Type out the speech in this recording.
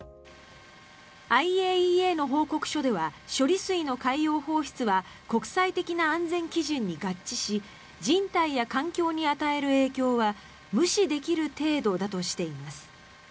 ＩＡＥＡの報告書では処理水の海洋放出は国際的な安全基準に合致し人体や環境に与える影響は無視できる程度だとしています。